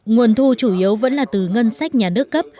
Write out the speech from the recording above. nguồn thu chủ yếu vẫn là từ ngân sách nhà nước cấp